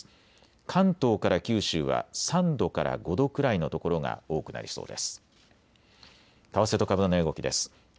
関東から九州は３度から５度くらいの所が多くなりそうです。